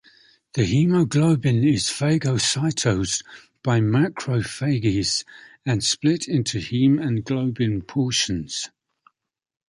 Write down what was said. The hemoglobin is phagocytosed by macrophages, and split into its heme and globin portions.